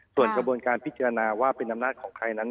ส่วนกระบวนการพิจารณาว่าเป็นอำนาจของใครนั้น